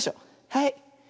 はい。